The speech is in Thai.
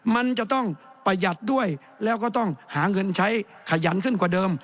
มันจะต้องประหยัดด้วยแล้วก็ต้องหาเงินใช้ขยันขึ้นกว่าเดิม